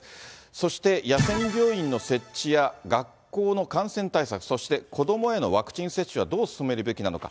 そして野戦病院の設置や学校の感染対策、そして子どもへのワクチン接種はどう進めるべきなのか。